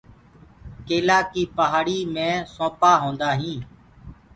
ڪيلآ ڪيٚ پآهڙي مي سونٚپآ هوندآ هينٚ۔